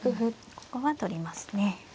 ここは取りますね。